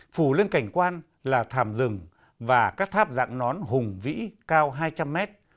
phủ lên cảnh quan là thảm rừng và các tháp dạng nón hùng vĩ cao hai trăm linh mét